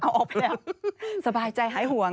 เอาออกไปแล้วสบายใจหายห่วง